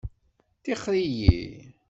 Tixxeṛ-iyi!